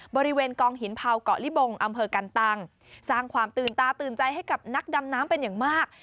บริเวณกองหินเผาเกาะลิบงอำเภอกันตังสร้างความตื่นตาตื่นใจให้กับนักดำน้ำเป็นอย่างมาก